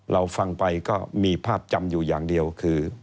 เราฟังไปก็มีภาพจำอยู่อย่างเดียวคือ